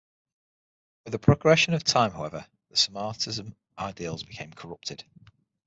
With the progression of time, however, the Sarmatism ideals became corrupted.